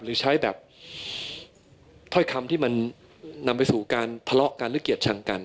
หรือใช้แบบถ้อยคำที่มันนำไปสู่การพละการลึกเกียจชั้นกัน